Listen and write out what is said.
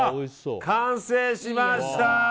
完成しました！